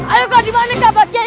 ayo kak dimana kak pak kiai